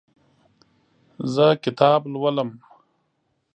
زه کتاب لولم.